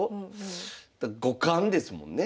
五冠ですもんね。